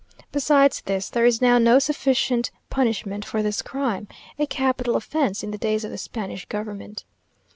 Besides this, there is now no sufficient punishment for this crime, a capital offence in the days of the Spanish government.